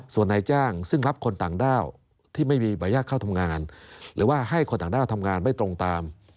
ส่วนนายจ้างซึ่งรับคนต่างด้าวที่ไม่มีบรรยาทเข้าทำงานหรือว่าให้คนต่างด้าวทำงานไม่ตรงตาม